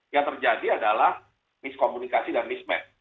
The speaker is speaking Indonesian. yang terjadi adalah miskomunikasi dan mismatch